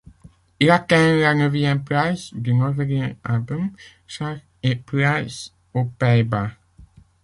Il atteint la neuvième place du Norwegian albums chart et place aux Pays-Bas.